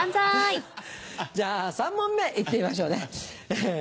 じゃあ３問目行ってみましょうね。